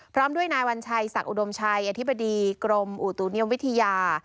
พร้อมด้วยนายวัญชัยศักดิอุดมชัยอธิบดีกรมอุตุนิยมวิทยา